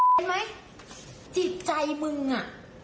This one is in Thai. เห็นมั้ยจิตใจมึงอ่ะ